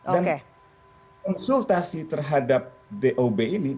dan konsultasi terhadap dob ini